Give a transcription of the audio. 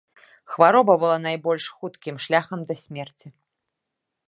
Хвароба была найбольш хуткім шляхам да смерці.